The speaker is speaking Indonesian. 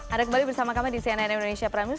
ada kembali bersama kami di cnn indonesia prime news